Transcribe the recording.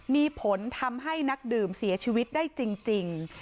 มีผลทำให้นักดื่มเสียชีวิตได้จริง